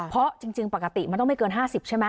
เพราะจริงปกติมันต้องไม่เกิน๕๐ใช่ไหม